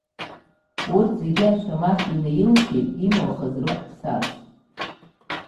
Урҭ зегьы ашәамахь инаилҭеит, имылхыз рыхәԥсас.